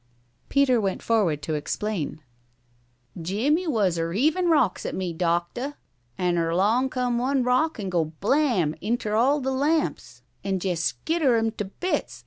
Peter went forward to explain. "Jim he was er heavin' rocks at me, docteh, an' erlong come one rock an' go blam inter all th' lamps an' jes skitter 'em t' bits.